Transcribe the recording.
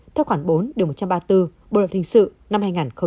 theo khoảng bốn điều một trăm ba mươi bốn bộ luật hình sự năm hai nghìn một mươi năm